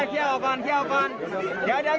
เฮ้เคียวออกก่อน